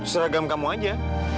seragam kamu aja